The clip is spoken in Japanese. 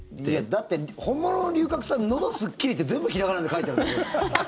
だって、本物の龍角散「のどすっきり」って全部ひらがなで書いてるでしょ。